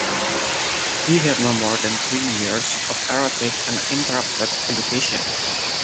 He had no more than three years of erratic and interrupted education.